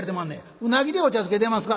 「うなぎでお茶漬け出ますか？」。